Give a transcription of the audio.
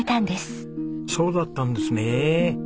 そうだったんですねえ。